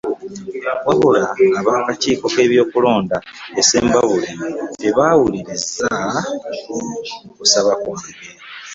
Wabula ab'akakiiko k'ebyokulonda e Ssembabule tebaawuliriza kusaba kwange